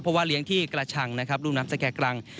เพราะว่าเลี้ยงที่กระชังนะครับรุ่มน้ำสแก่กรัง